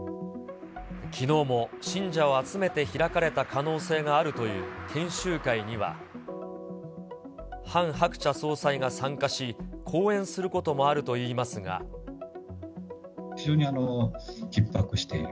きのうも信者を集めて開かれた可能性があるという研修会には、ハン・ハクチャ総裁が参加し、非常にひっ迫している。